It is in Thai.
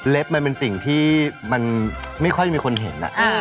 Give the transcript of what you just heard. เล็บว่าเป็นสิ่งที่ไม่ค่อยมีคนเห็น